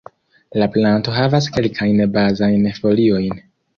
La planto havas kelkajn bazajn foliojn.